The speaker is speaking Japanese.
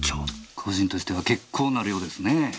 個人としては結構な量ですねぇ。